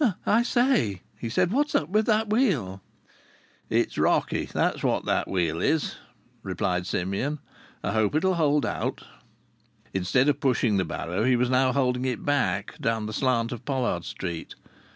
"I say," he said, "what's up with that wheel?" "It's rocky, that's what that wheel is," replied Simeon. "I hope it will hold out." Instead of pushing the barrow he was now holding it back, down the slant of Pollard Street.